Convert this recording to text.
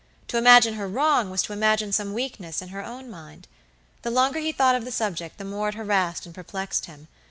To imagine her wrong was to imagine some weakness in her own mind. The longer he thought of the subject the more it harassed and perplexed him.